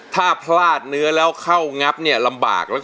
ถ้าพลาดเนื้อแล้วเข้างับเนี่ยลำบาก